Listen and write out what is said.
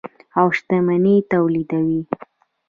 او شتمني تولیدوي.